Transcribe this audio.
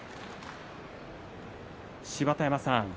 芝田山さん